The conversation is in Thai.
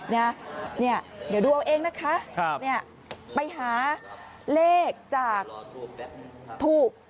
เดี๋ยวดูเอาเองนะคะไปหาเลขจากทูบ